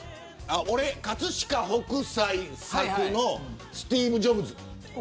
俺、葛飾北斎作のスティーブ・ジョブズ。